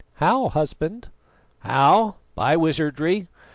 "How, husband?" "How? By wizardry.